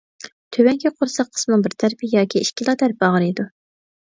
تۆۋەنكى قورساق قىسمىنىڭ بىر تەرىپى ياكى ئىككىلا تەرىپى ئاغرىيدۇ.